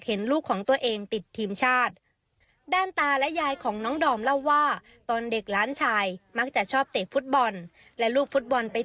เขาตั้งใจฝึกซ้อมทุกวันและออกเตะฟุตบอลเดินสายกันเพื่อน